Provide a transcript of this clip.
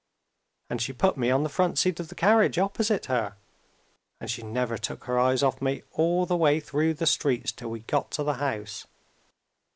And she put me on the front seat of the carriage, opposite her, and she never took her eyes off me all the way through the streets till we got to the house.